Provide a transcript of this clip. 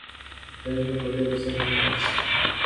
bank میں بڑے افسر کے پاس